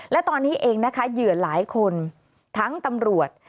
และตอนนี้เองนะคะเหยื่อหลายคนทั้งตำรวจ